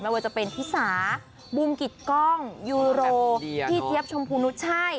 ว่าจะเป็นพี่สาบุมกิจกล้องยูโรพี่เจี๊ยบชมพูนุษย์ใช่